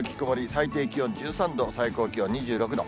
最低気温１３度、最高気温２６度。